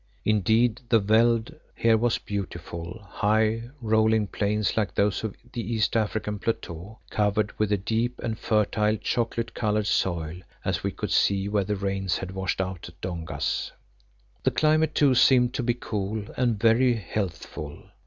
Indeed, the veld here was beautiful, high, rolling plains like those of the East African plateau, covered with a deep and fertile chocolate coloured soil, as we could see where the rains had washed out dongas. The climate, too, seemed to be cool and very healthful.